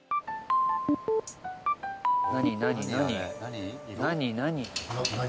何何何？